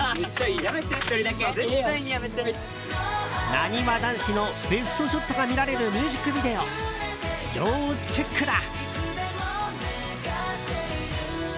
なにわ男子のベストショットが見られるミュージックビデオ要チェックだ。